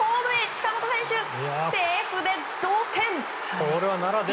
近本選手、セーフで同点！